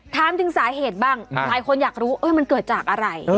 ถามถึงสาเหตุบ้างหลายคนอยากรู้มันเกิดจากอะไร